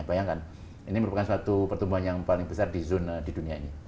bayangkan ini merupakan suatu pertumbuhan yang paling besar di dunia ini